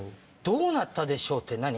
「どうなったでしょう？」って何？